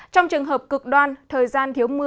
trong trường hợp cực đoan thời gian thiếu mưa